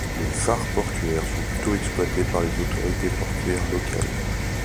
Les phares portuaires sont plutôt exploités par les autorités portuaires locales.